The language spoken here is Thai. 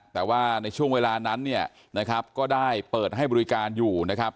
แต่ว่าในช่วงเวลานั้นก็ได้เปิดให้บริการอยู่นะครับ